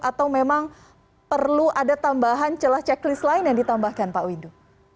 atau memang perlu ada tambahan celah checklist lain yang ditambahkan pak windu